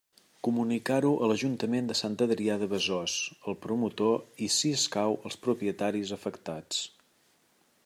Comunicar-ho a l'Ajuntament de Sant Adrià de Besòs, al promotor i, si escau, als propietaris afectats.